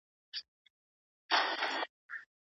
خپل کثافات په ډیران کې واچوئ.